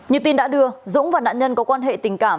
hôm nay dũng và nạn nhân có quan hệ tình cảm